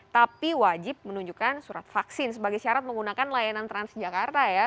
tapi wajib menunjukkan surat vaksin sebagai syarat menggunakan layanan transjakarta ya